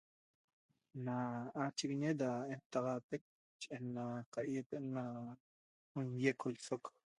Na hua'achiguiñi da etaxatpi ena cayaaiet ena nguiec lsoc